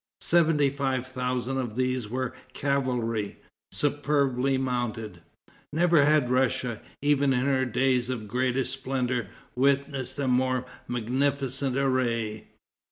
Seventy five thousand of these were cavalry, superbly mounted. Never had Russia, even in her days of greatest splendor, witnessed a more magnificent array.